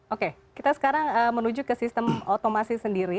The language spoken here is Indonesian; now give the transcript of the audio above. oke kita sekarang menuju ke sistem otomasi sendiri